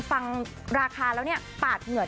ฟังราคาแล้วเนี่ยปาดเหงื่อน